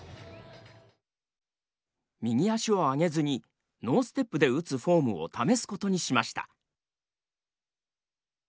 右足を上げずにノーステップで打つフォームを試す事にしました。